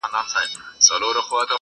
و تیارو ته مي له لمره پیغام راوړ,